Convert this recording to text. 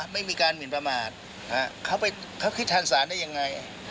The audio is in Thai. ไม่มีการหมินประมาทเขาคิดทางศาลได้ยังไง